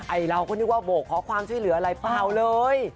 ไอเราก็นึกว่าโบกขอความช่วยเหลืออะไรเปล่าเลย